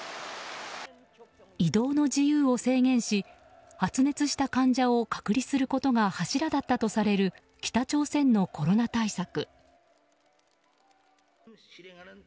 移動の自由を制限し発熱した患者を隔離することが柱だったとされる北朝鮮のコロナ対策。